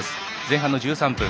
前半の１３分。